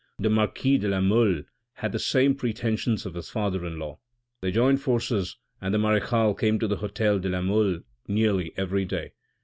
The marquis de la Mole had the same pretensions for his father in law ; they joined forces and the marechale came to the hotel de la Mole nearly every day.